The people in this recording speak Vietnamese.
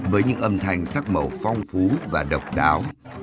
với những âm thanh sắc màu phong phú và độc đáo